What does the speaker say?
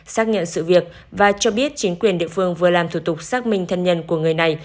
xác nhận sự việc và cho biết chính quyền địa phương vừa làm thủ tục xác minh thân nhân của người này